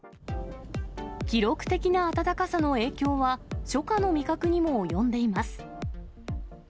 記録的な暖かさの影響は初夏の味覚にも及んでいます。